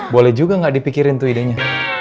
boleh juga nggak dipikirin tuh idenya